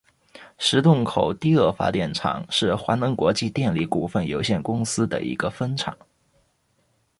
石洞口第二发电厂是华能国际电力股份有限公司的一个分厂。